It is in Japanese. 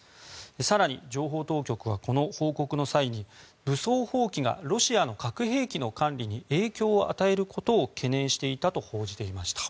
更に、情報当局はこの報告の際に武装蜂起がロシアの核兵器の管理に影響を与えることを懸念していたと報じていました。